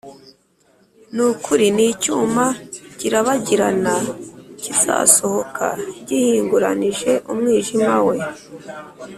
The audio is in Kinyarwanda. ni ukuri n’icyuma kirabagirana kizasohoka gihinguranije umwijima we,